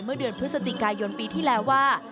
เมื่อเดือนพฤศจิกายนปีที่แล้วว่า